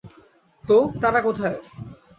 তো, তারা কোথায়?